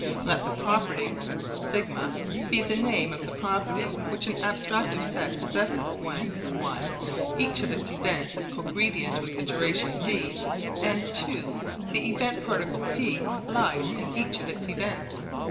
Let the property σ be the name of the property which an abstractive set possesses when (i) each of its events is cogredient with the duration d and (ii) the event particle P lies in each of its events.